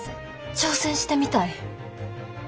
挑戦してみたい。